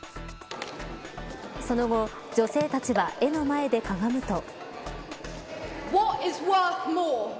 その後女性たちは絵の前でかがむと。